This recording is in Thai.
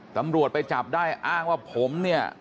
ตำรวจไปจับได้อ้างว่าผมเนี่ย